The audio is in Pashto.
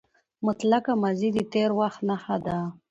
مطلقه ماضي د تېر وخت نخښه ده.